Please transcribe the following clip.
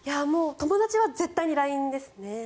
友達は絶対にＬＩＮＥですね。